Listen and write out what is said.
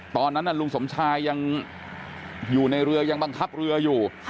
ตอนนั้นลุงสมชายยังอยู่ในเรือยังบังคับเรืออยู่